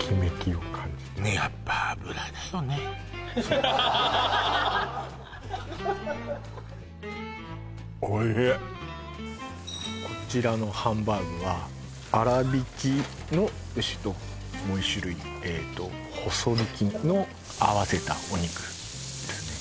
おいしいこちらのハンバーグは粗挽きの牛ともう１種類細挽きの合わせたお肉ですね